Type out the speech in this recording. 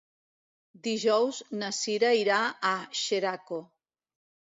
Dijous na Cira irà a Xeraco.